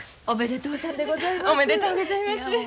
おめでとうございます。